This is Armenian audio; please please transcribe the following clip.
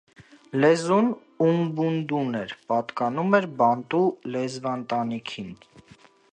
Լեզուն ումբունդուն էր, պատկանում էր բանտու լեզվաընտանիքին։